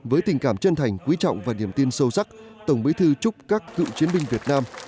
với tình cảm chân thành quý trọng và niềm tin sâu sắc tổng bí thư chúc các cựu chiến binh việt nam